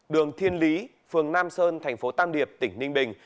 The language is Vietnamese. đường thiên lý phường nam sơn thành phố tam điệp tỉnh ninh bình